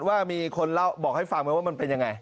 ว่ามีคนบอกให้ฟังไหมว่ามันเป็นอย่างไร